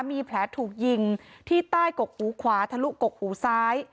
มีแผลถูกยิงที่ใต้กกหูขวาทะลุกกหูซ้าย